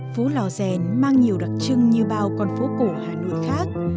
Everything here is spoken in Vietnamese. phố lò rèn mang nhiều đặc trưng như bao con phố cổ hà nội khác